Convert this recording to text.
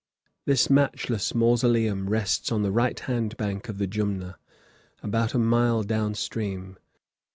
This matchless mausoleum rests on the right hand bank of the Jumna, about a mile down stream.